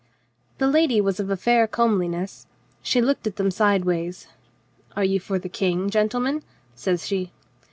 The lady was of a fair comeliness. She looked at them sidewise. "Are you for the King, gentlemen?" says she.